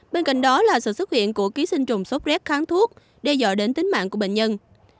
bên cạnh đó là sự xuất hiện của ký sinh trùng sốt rét kháng thuốc đe dọa đến tính mạng của bệnh nhân